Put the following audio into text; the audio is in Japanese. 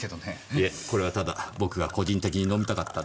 いえこれはただ僕が個人的に飲みたかったんです。